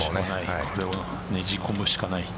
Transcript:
これをねじ込むしかない。